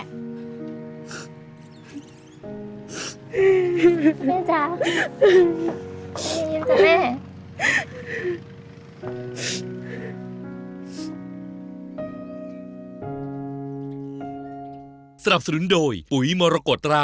แม่จ๊ะแม่ยินจ้ะแม่